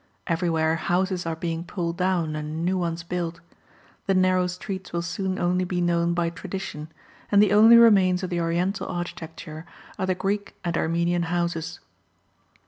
Everywhere houses are being pulled down, and new ones built; the narrow streets will soon only be known by tradition, and the only remains of the Oriental architecture, are the Greek and Armenian houses.